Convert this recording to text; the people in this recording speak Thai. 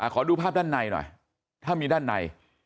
ขอดูภาพด้านในหน่อยถ้ามีด้านใน